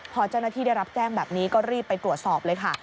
พอเจ้าหน้าที่ได้รับแจ้งแบบนี้ก็รีบไปตรวจสอบเลยค่ะ